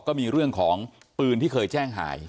ก็มีเรื่องของปืนที่เคยแจ้งหาย